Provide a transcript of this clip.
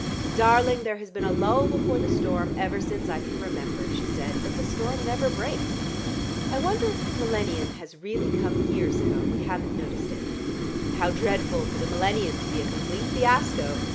"Darling, there has been a lull before the storm ever since I can remember," she said, "but the storm never breaks. I wonder if the millennium has really come years ago, and we haven't noticed it. How dreadful for the millennium to be a complete fiasco!